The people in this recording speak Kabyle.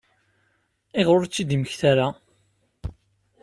Ayɣer ur tt-id-yemmekta ara?